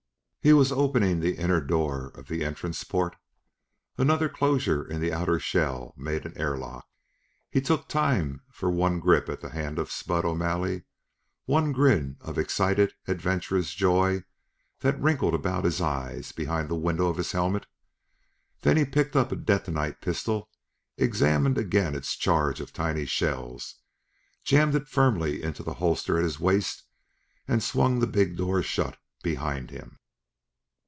He was opening the inner door of the entrance port. Another closure in the outer shell made an air lock. He took time for one grip at the hand of Spud O'Malley, one grin of excited, adventurous joy that wrinkled about his eyes behind the window of his helmet then he picked up a detonite pistol, examined again its charge of tiny shells, jammed it firmly into the holster at his waist and swung the big door shut behind him.